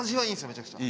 めちゃくちゃ。